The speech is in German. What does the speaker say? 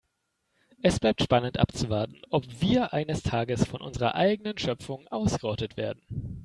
Es bleibt spannend abzuwarten, ob wir eines Tages von unserer eigenen Schöpfung ausgerottet werden.